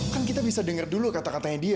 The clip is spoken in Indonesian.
kan kita bisa dengar dulu kata katanya dia